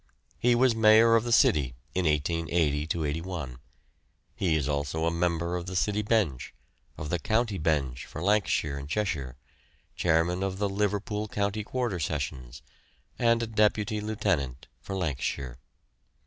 He was Mayor of the city in 1880 81. He is also a member of the city bench, of the county bench for Lancashire and Cheshire, chairman of the Liverpool County Quarter Sessions, and a deputy lieutenant for Lancashire.